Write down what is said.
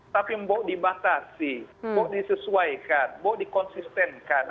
tapi mau dibatasi mau disesuaikan mau dikonsistenkan